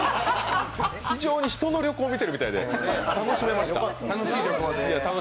非常に人の旅行見てるみたいで楽しめました。